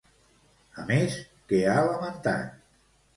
A més, què ha lamentat?